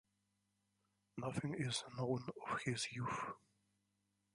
Nothing is known of his youth.